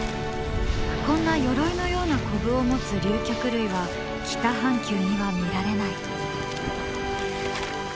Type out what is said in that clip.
こんなよろいのようなコブを持つ竜脚類は北半球には見られない。